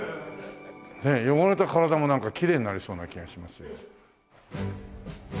ねえ汚れた体もきれいになりそうな気がしますよ。